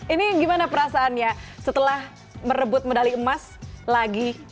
ini gimana perasaannya setelah merebut medali emas lagi